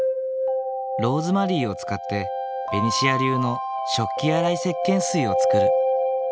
ローズマリーを使ってベニシア流の食器洗いせっけん水を作る。